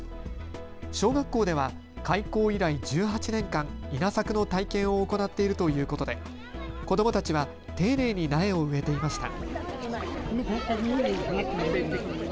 小学校では開校以来、１８年間稲作の体験を行っているということで子どもたちは丁寧に苗を植えていました。